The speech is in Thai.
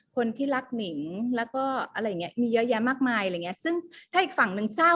คนที่รักนิ่งแล้วก็อะไรอย่างนี้มีเยอะแหยะมากมายซึ่งถ้าอีกฝั่งนึงเศร้า